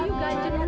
jangan jangan jangan